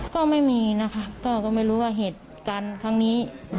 ก็ไม่มีนะคะก็ไม่รู้ว่าเหตุการณ์ครั้งนี้